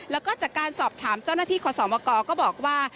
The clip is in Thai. แล้วก็จากการสอบถามเจ้าหน้าที่ขอสมกก็บอกว่า